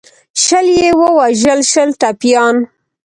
شل یې ووژل شل ټپیان.